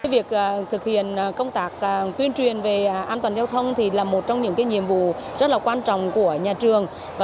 việc thực hiện công tác tuyên truyền về an toàn giao thông là một trong những nhiệm vụ rất quan trọng của nhà trường